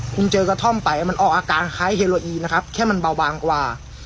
คุณเจอกระท่อมไปมันออกอาการคล้ายเฮโลอีนะครับแค่มันเบาบางกว่า